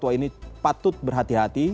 bahwa ini patut berhati hati